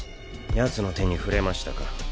ヤツの手に触れましたか？